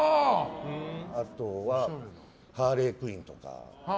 あとはハーレークイーンとか。